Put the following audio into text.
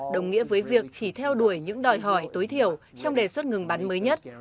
đồng nghĩa với việc chỉ theo đuổi những đòi hỏi tối thiểu trong đề xuất ngừng bắn mới nhất